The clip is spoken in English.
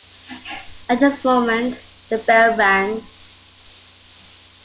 At this moment, the bell rang.